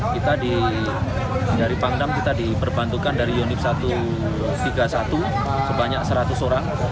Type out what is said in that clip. kita dari pangdam kita diperbantukan dari unit satu ratus tiga puluh satu sebanyak seratus orang